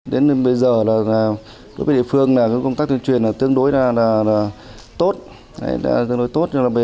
đến bây giờ đối với địa phương công tác tuyên truyền tương đối tốt